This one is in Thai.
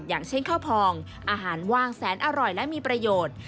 อย่างเช่นข้าวพองอาหารว่างแสนอร่อยและมีประโยชน์